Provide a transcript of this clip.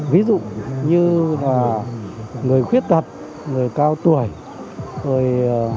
ví dụ như là người khuyết tật người cao tuổi rồi